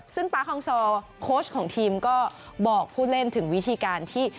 ซึ่งป๊าฮองซอร์โค้ชของทีมก็บอกผู้เล่นถึงวิธีการที่